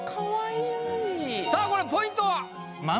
さあこれポイントは？